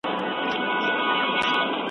په غور يې ولولئ.